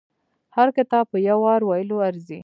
هر کتاب په يو وار ویلو ارزي.